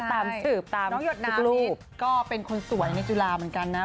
ตามสืบตามทุกรูปน้องหยดน้ำนี่ก็เป็นคนสวยในจุฬาเหมือนกันนะ